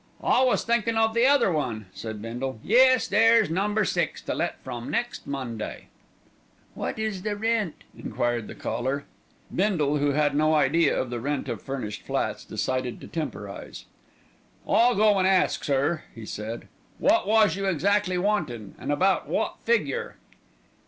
"I was thinkin' of the other one," said Bindle. "Yes; there's Number Six to let from next Monday." "What is the rent?" enquired the caller. Bindle, who had no idea of the rent of furnished flats, decided to temporise. "I'll go and ask, sir," he said. "Wot was you exactly wantin', an' about wot figure?"